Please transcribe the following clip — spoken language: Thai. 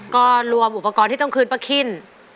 ก็รวมอุปกรณ์ที่ต้องคืนป้าคิ้น